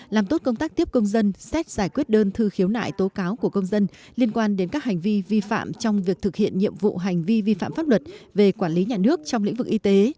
làm tốt công tác tiếp công dân xét giải quyết đơn thư khiếu nại tố cáo của công dân liên quan đến các hành vi vi phạm trong việc thực hiện nhiệm vụ hành vi vi phạm pháp luật về quản lý nhà nước trong lĩnh vực y tế